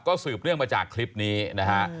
ก็สืบเนื่องมาจากคลิปนี้นะฮะ